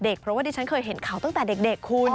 เพราะว่าดิฉันเคยเห็นเขาตั้งแต่เด็กคุณ